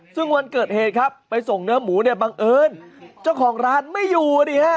ซึ่งวันเกิดเหตุครับไปส่งเนื้อหมูเนี่ยบังเอิญเจ้าของร้านไม่อยู่ดิฮะ